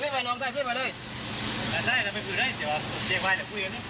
ขึ้นให้ดูซึ่งแกมีช่วงใจกันแหละค่ะ